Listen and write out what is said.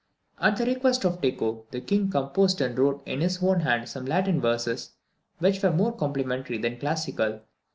At the request of Tycho, the King also composed and wrote in his own hand some Latin verses, which were more complimentary than classical.